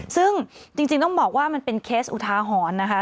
ซึ่งจริงต้องบอกว่ามันเป็นเคสอุทาหรณ์นะคะ